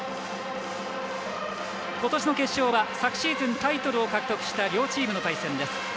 ことしの決勝は昨シーズンタイトルを獲得した両チームの対戦です。